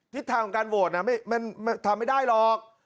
ทิศทางของการโหวตมันทำไม่ได้หรอก